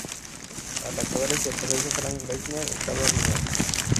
Al acabar este proceso Frank Reisner estaba arruinado.